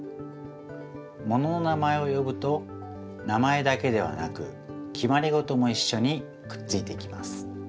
ものの名前をよぶと名前だけではなくきまりごともいっしょにくっついてきます。